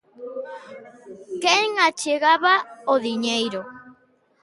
Quen achegaba o diñeiro?